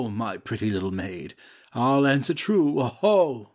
my pretty little maid. I'll answer true, 0 ho